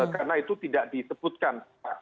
karena itu tidak disebutkan